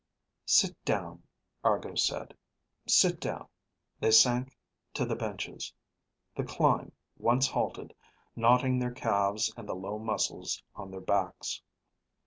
"Sit down," Argo said. "Sit down." They sank to the benches; the climb, once halted, knotting their calves and the low muscles on their backs.